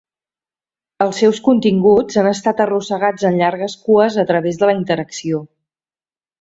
Els seus continguts han sigut arrossegats en llargues cues a través de la interacció.